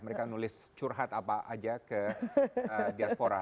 mereka nulis curhat apa aja ke diaspora